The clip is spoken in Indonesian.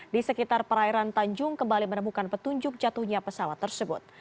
di sekitar perairan tanjung kembali menemukan petunjuk jatuhnya pesawat tersebut